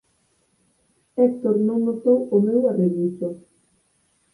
Héctor non notou o meu arreguizo;